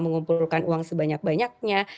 mengumpulkan uang sebanyak banyaknya